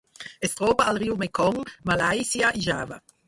Es troba al riu Mekong, Malàisia i Java.